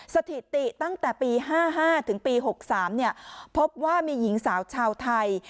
สถิติตั้งแต่ปี๕๕ถึงปี๖๓พบว่ามีหญิงสาวชาวไทย